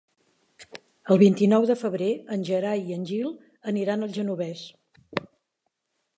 El vint-i-nou de febrer en Gerai i en Gil aniran al Genovés.